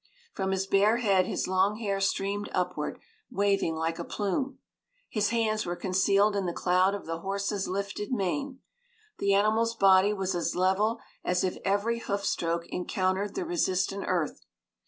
From his bare head his long hair streamed upward, waving like a plume. His hands were concealed in the cloud of the horse's lifted mane. The animal's body was as level as if every hoof stroke encountered the resistant earth.